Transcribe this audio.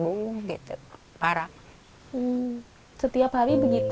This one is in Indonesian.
hmm setiap hari begitu